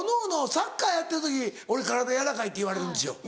サッカーやってる時俺体軟らかいって言われるんですよ。